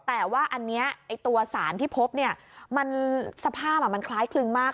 แต่ว่าอันนี้ตัวสารที่พบเนี่ยมันสภาพมันคล้ายคลึงมาก